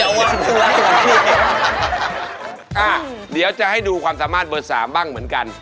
อ่ะเดี๋ยวจะให้ดูความสามารถเบิด๓บ้างเหมือนกัน